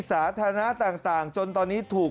สาธารณะต่างจนตอนนี้ถูก